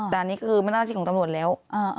แต่อันนี้คือมันหน้าที่ของตำรวจแล้ว